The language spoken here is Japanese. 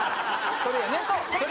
それやね。